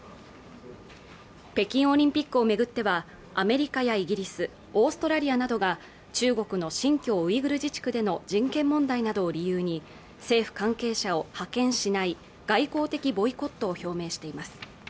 北京オリンピックをめぐってはアメリカやイギリス、オーストラリアなどが中国の新疆ウイグル自治区での人権問題などを理由に政府関係者を派遣しない外交的ボイコットを表明しています